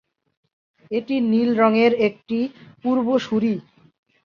এটি নীল রঙের একটি পূর্বসূরী।